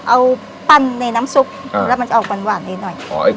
เอาปั้นในน้ำซุปแล้วมันจะออกหวานนิดหน่อย